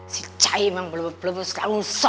si cahim yang berlubus lubus